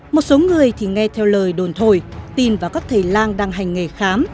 một số người thì nghe theo lời đồn thổi tin vào các thầy lang đang hành nghề khám